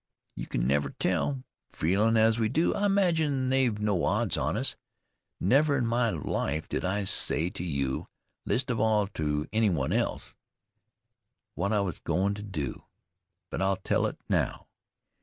You can never tell. Feelin' as we do, I imagine they've no odds on us. Never in my life did I say to you, least of all to any one else, what I was goin' to do; but I'll tell it now.